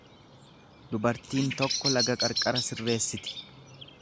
Dubartiin tokko laga qarqara sirreessiti.